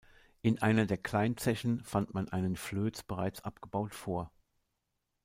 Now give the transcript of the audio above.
In einer der Kleinzechen fand man einen Flöz bereits abgebaut vor.